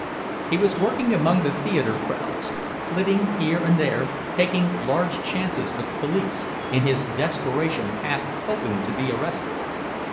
He was working among the theater crowds, flitting here and there, taking large chances with the police, in his desperation half hoping to be arrested.